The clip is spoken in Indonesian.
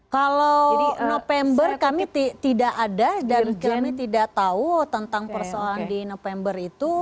kalau november kami tidak ada dan kami tidak tahu tentang persoalan di november itu